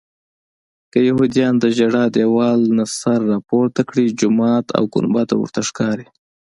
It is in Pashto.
که یهودیان د ژړا دیوال نه سر راپورته کړي جومات او ګنبده ورته ښکاري.